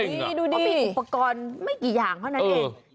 นี่เขามีอุปกรณ์ไม่กี่อย่างเท่านั้นเอง